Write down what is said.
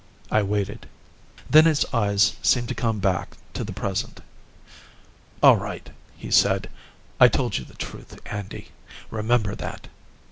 I waited. Then his eyes seemed to come back to the present. "All right," he said. "I told you the truth, Andy. Remember that.